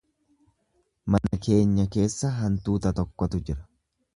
Mana keenya keessa hantuuta tokkotu jira.